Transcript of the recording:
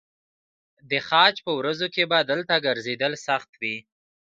د حج په ورځو کې به دلته ګرځېدل سخت وي.